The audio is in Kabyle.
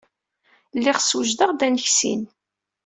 Lliɣ ssewjadeɣ-d aneskin.